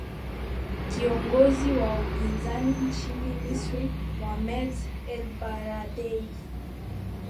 kiongozi wa upinzani nchini misri mohamed elbaradei